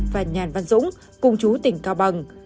và nhàn văn dũng cùng chú tỉnh cao bằng